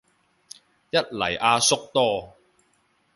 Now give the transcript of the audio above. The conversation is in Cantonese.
一嚟阿叔多